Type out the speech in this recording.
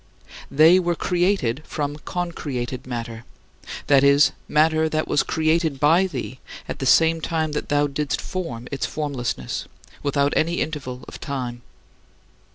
They were created from concreated matter that is, matter that was created by thee at the same time that thou didst form its formlessness, without any interval of time.